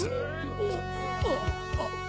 あっ。